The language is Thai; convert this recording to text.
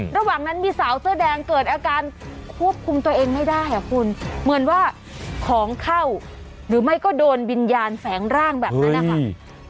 ระหว่างนั้นมีสาวเสื้อแดงเกิดอาการควบคุมตัวเองไม่ได้อ่ะคุณเหมือนว่าของเข้าหรือไม่ก็โดนวิญญาณแฝงร่างแบบนั้นนะคะ